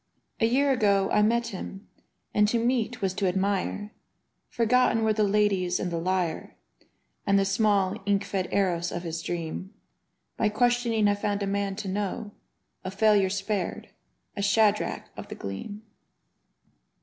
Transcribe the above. A year ago I met him — ^and to meet was to admire: Forgotten were the ladies and the lyre, And the small, ink fed Eros of his dream. By questioning I found a man to know — A failure spared, a Shadrach of the Gleam.